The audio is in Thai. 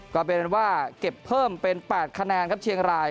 ก็เป็นว่าเก็บเพิ่มเป็น๘คะแนนครับเชียงราย